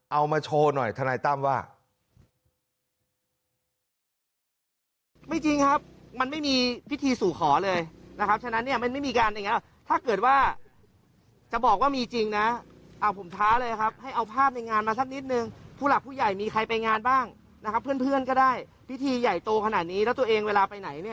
เอามาโชว์หน่อยทนายตั้มว่า